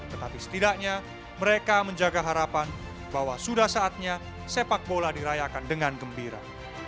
tetapi setidaknya mereka menjaga harapan bahwa sudah saatnya sepak bola dirayakan dengan gembira